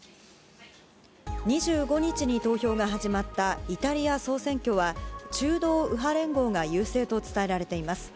２５日に投票が始まったイタリア総選挙は、中道右派連合が優勢と伝えられています。